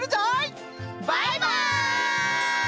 バイバイ！